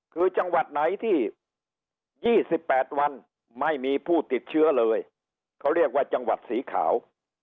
คือจังหวัดไหนที่๒๘วันไม่มีผู้ติดเชื้อเลยเขาเรียกว่าจังหวัดสีขาว